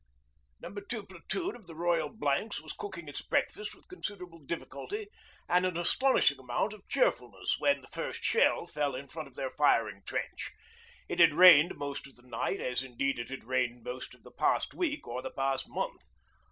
No. 2 Platoon of the Royal Blanks was cooking its breakfast with considerable difficulty and an astonishing amount of cheerfulness when the first shell fell in front of their firing trench. It had rained most of the night, as indeed it had rained most of the past week or the past month.